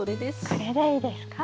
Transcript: これでいいですか？